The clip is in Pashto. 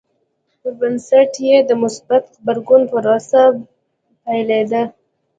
پر بنسټ یې د مثبت غبرګون پروسه پیلېده.